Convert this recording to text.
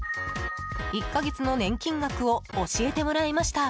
１か月の年金額を教えてもらいました。